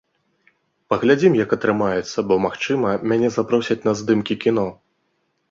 Паглядзім, як атрымаецца, бо, магчыма, мяне запросяць на здымкі кіно.